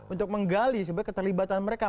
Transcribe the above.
untuk menggali sebenarnya keterlibatan mereka